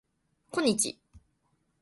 こんにち